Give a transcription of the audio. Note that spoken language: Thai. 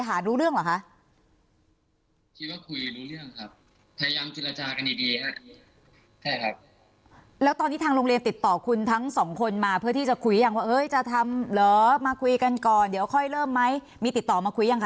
เกิดเคยจะทำเหรอมาคุยกันก่อนเดี๋ยวค่อยเริ่มไหมมีติดต่อมาคุยยังคะ